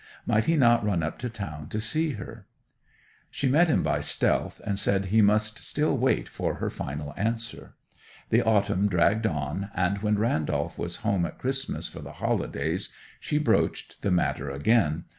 Might he not run up to town to see her? She met him by stealth, and said he must still wait for her final answer. The autumn dragged on, and when Randolph was home at Christmas for the holidays she broached the matter again.